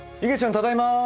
ただいま。